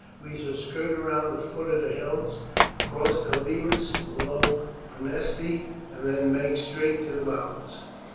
We shall skirt round the foot of the hills, cross the Lyris below Praeneste, and then make straight to the mountains.